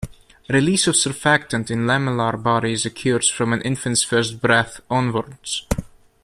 Release of surfactant in lamellar bodies occurs from an infant's first breath onwards.